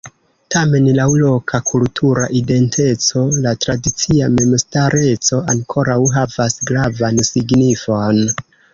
Tamen laŭ loka kultura identeco la tradicia memstareco ankoraŭ havas gravan signifon.